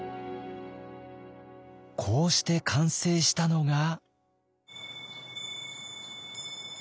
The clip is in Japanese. こうして完成したのが。